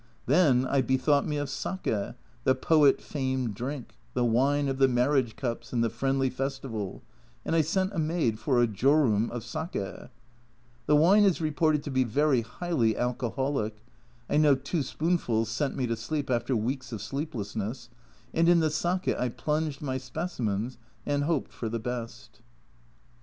Then I bethought me of sake, the poet famed drink, the wine of the marriage cups and the friendly festival, and I sent a maid for a jorum of sake ; the wine is reported to be very highly alcoholic, I know two spoonfuls sent me to sleep after weeks of sleeplessness, and in the sake I plunged my specimens and hoped for the best.